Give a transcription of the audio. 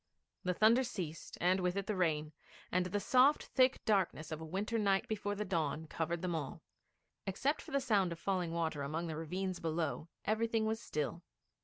The thunder ceased, and with it the rain, and the soft thick darkness of a winter night before the dawn covered them all. Except for the sound of falling water among the ravines below, everything was still.